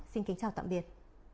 xin kính chào tạm biệt